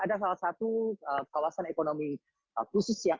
ada salah satu kawasan ekonomi khusus yang